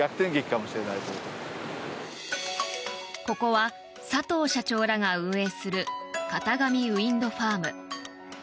ここは佐藤社長らが運営する潟上ウインドファーム。